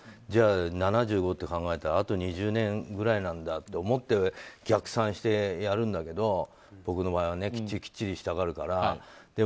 じゃあ、７５って考えたらあと２０年ぐらいだなと思って逆算してやるんだけど僕の場合はきっちりしたがるから。